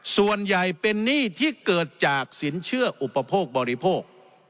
ส่วนใหญ่เป็นหนี้ที่เกิดจากสินเชื่ออุปโภคบริโภค